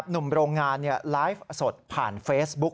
หนุ่มโรงงานไลฟ์สดผ่านเฟซบุ๊ก